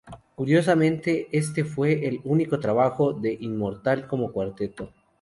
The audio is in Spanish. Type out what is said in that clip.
Curiosamente este fue el único trabajo de Immortal como cuarteto.